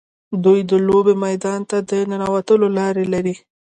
دوی د لوبې میدان ته د ننوتلو لارې لري.